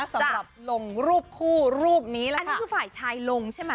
สำหรับลงรูปคู่รูปนี้แล้วอันนี้คือฝ่ายชายลงใช่ไหม